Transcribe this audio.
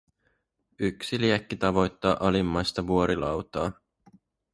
Yksi liekki tavoittaa alimmaista vuorilautaa.